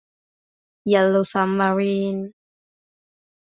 Yellow Submarine